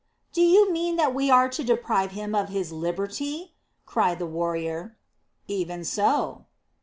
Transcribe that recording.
"Do you mean that we are to deprive him of his liberty?" cried the warrior. "Even so."